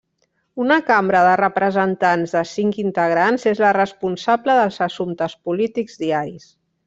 Una Cambra de Representants de cinc integrants és la responsable dels assumptes polítics diaris.